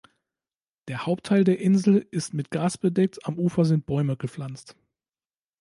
Der Hauptteil der Insel ist mit Gras bedeckt, am Ufer sind Bäume gepflanzt.